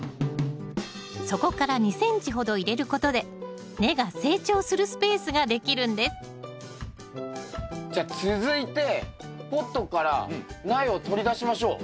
底から２ｃｍほど入れることで根が成長するスペースができるんですじゃあ続いてポットから苗を取り出しましょう。